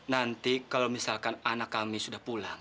nanti kalau misalkan anak kami sudah pulang